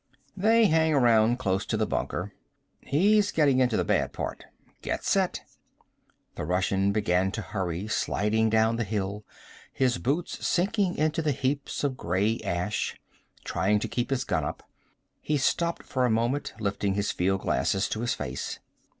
"They hang around close to the bunker. He's getting into the bad part. Get set!" The Russian began to hurry, sliding down the hill, his boots sinking into the heaps of gray ash, trying to keep his gun up. He stopped for a moment, lifting his fieldglasses to his face.